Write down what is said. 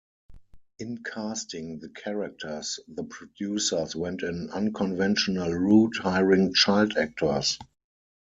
In casting the characters, the producers went an unconventional route, hiring child actors.